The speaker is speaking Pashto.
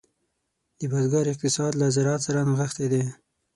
د بزګر اقتصاد له زراعت سره نغښتی دی.